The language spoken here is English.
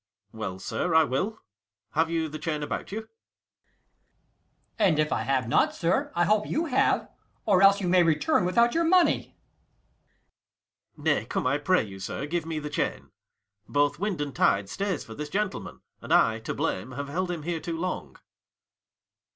Ang. Well, sir, I will. Have you the chain about you? Ant. E. An if I have not, sir, I hope you have; Or else you may return without your money. Ang. Nay, come, I pray you, sir, give me the chain: 45 Both wind and tide stays for this gentleman, And I, to blame, have held him here too long.